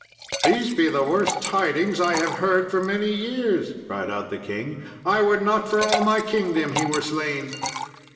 "These be the worst tidings I have heard for many years," cried out the king; "I would not for my kingdom he were slain."